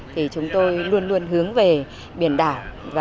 thì chúng tôi luôn luôn hướng về biển đảo